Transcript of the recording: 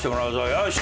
よし！